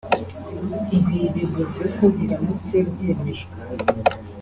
Ibi bivuze ko biramutse byemejwe